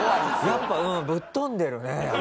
やっぱぶっ飛んでるね。